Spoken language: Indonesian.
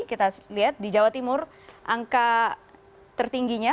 kita lihat di jawa timur angka tertingginya